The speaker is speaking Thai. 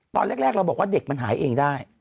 ตอนแรกเราบอกว่าเด็กมันหายเองได้